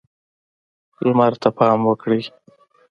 لمر ته پام وکړئ.